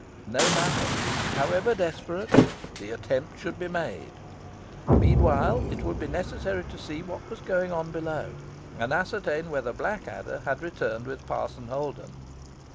No matter, however desperate, the attempt should be made. Meanwhile, it would be necessary so see what was going on below, and ascertain whether Blackadder had returned with Parson Holden.